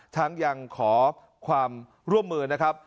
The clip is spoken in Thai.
ยังขอความร่วมมือนะครับ